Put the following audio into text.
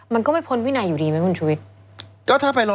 มันก็ไม่พ้นวินัยอยู่ดีไหมคุณชุวิต